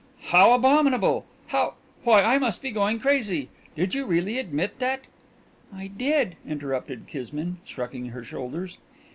"How abominable! How why, I must be going crazy! Did you really admit that " "I did," interrupted Kismine, shrugging her shoulders.